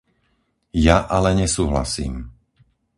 Ja ale nesúhlasím.